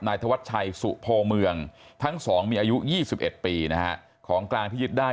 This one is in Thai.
ธวัชชัยสุโพเมืองทั้งสองมีอายุ๒๑ปีนะฮะของกลางที่ยึดได้